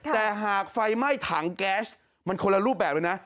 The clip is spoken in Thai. แต่หากไฟไหม้ถังแก๊สมันคนละรูปแบบเลยนะ